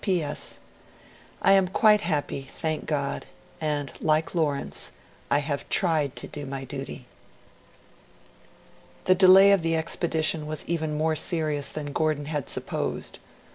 'P.S. I am quite happy, thank God, and, like Lawrence, I have TRIED to do my duty.' The delay of the expedition was even more serious than Gordon had supposed.